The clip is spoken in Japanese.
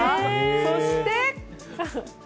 そして。